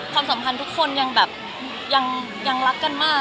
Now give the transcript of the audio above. ความสัมพันธ์ทุกคนยังรักกันมาก